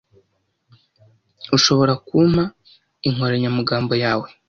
Ushobora kumpa inkoranyamagambo yawe?